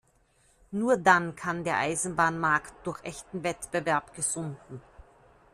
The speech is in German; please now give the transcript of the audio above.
Nur dann kann der Eisenbahnmarkt durch echten Wettbewerb gesunden.